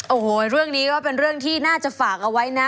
โอ้โหเรื่องนี้ก็เป็นเรื่องที่น่าจะฝากเอาไว้นะ